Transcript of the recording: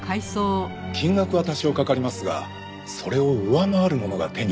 金額は多少かかりますがそれを上回るものが手に入りますから。